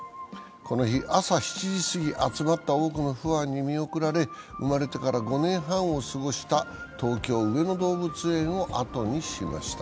この日、朝７時すぎ、集まった多くのファンに見送られ、生まれてから５年半を過ごした東京・上野動物園を後にしました。